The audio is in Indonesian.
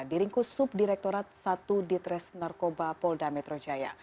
diringkus subdirektorat satu ditres narkoba polda metro jaya